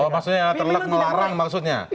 bahwa maksudnya terlak melarang maksudnya